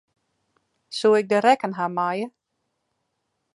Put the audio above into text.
Soe ik de rekken ha meie?